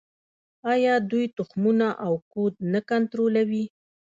آیا دوی تخمونه او کود نه کنټرولوي؟